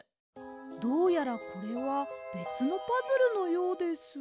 どうやらこれはべつのパズルのようです。